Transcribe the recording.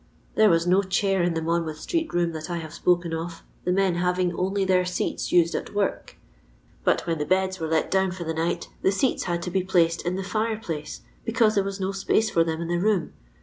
There was no chair in the Monmouth street room that I have spoken of, the men haying only their seats used at work ; but when the ^ds were let down for the night, the seats had to be placed in the fire place because there was no space for them in the room.